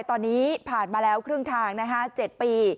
ตอนนี้ผ่านมาแล้วครึ่งทาง๗ปี